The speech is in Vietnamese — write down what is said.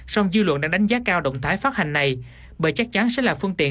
song dư luận đang đánh giá cao động thái phát hành này bởi chắc chắn sẽ là phương tiện